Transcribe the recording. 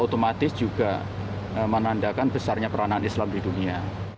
otomatis juga menandakan besarnya peranan islam di dunia